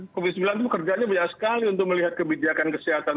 komisi sembilan itu pekerjaannya banyak sekali untuk melihat kebijakan kesehatan